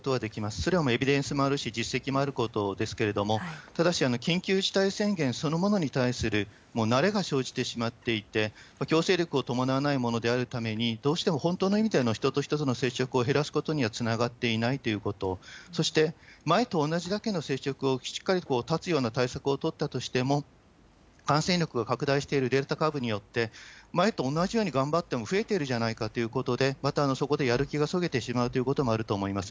それはもうエビデンスもあるし、実績もあることですけれども、ただし、緊急事態宣言そのものに対するもう慣れが生じてしまっていて、強制力を伴わないものであるために、どうしても本当の意味での人と人との接触を減らすことにはつながっていないということ、そして前と同じだけの接触をしっかり絶つような対策を取ったとしても、感染力が拡大しているデルタ株によって、前と同じように頑張っても増えてるじゃないかということで、またそこでやる気が削げてしまうということもあると思います。